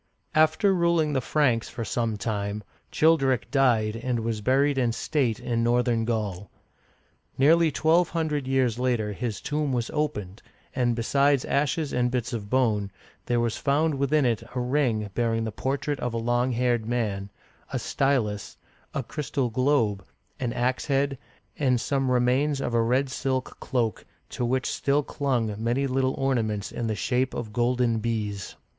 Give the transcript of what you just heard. After ruling the Franks for some time, Childeric died and was buried in state in northern Gaul. Nearly twelve hundred years after, his tomb was opened, and besides ashes and bits of bone, there was found within it a ring bearing the portrait of a long haired man, a stylus, a crystal globe, an ax head, and some remains of a red silk cloak, to which still clung many little ornaments in the 1 See Guprber*s Legends of the Rhine , pp. 147 148. uigiTizea Dy vjiOOQlC 4S OLD FRANCK shape of golden bees.